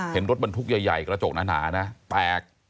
เห็นรถบรรทุกใหญ่กระจกหนานะแตก